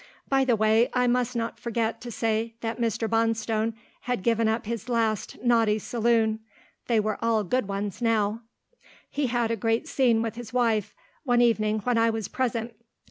By the way, I must not forget to say that Mr. Bonstone had given up his last naughty saloon. They were all good ones now. He had a great scene with his wife, one evening when I was present.